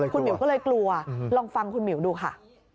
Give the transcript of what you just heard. คุณหมิวก็เลยกลัวลองฟังคุณหมิวดูค่ะ